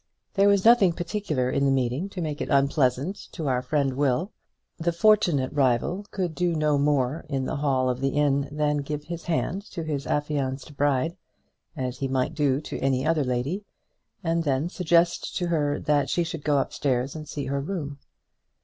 There was nothing particular in the meeting to make it unpleasant to our friend Will. The fortunate rival could do no more in the hall of the inn than give his hand to his affianced bride, as he might do to any other lady, and then suggest to her that she should go up stairs and see her room.